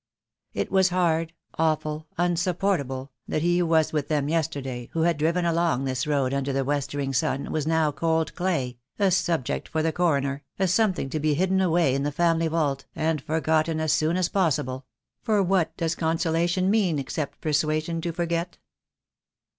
It was hard, awful, unsupport able, that he who was with them yesterday, who had driven along this road under the westering sun, was now cold clay, a subject for the coroner, a something to be hidden away in the family vault, and forgotten as soon as possible; for what does consolation mean except per suasion to forget?